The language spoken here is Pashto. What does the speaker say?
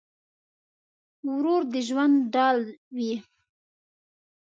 ورور د ژوند ډال وي.